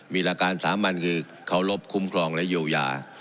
มีหลักการสามัญคือเคารพคุ้มครองและเยียวยา